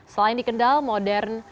selain di kendal modern